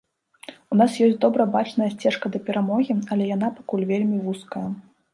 У нас ёсць добра бачная сцежка да перамогі, але яна пакуль вельмі вузкая.